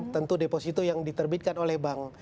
tentu deposito yang diterbitkan oleh bank